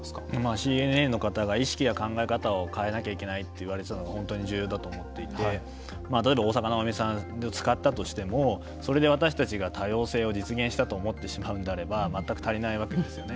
ＣＮＮの方が、意識や考え方を変えなきゃいけないって言われていたのが本当に重要だと思っていて、例えば大坂なおみさんを使ったとしてもそれで私たちが多様性を実現したと思ってしまうなら全く足りないわけですよね。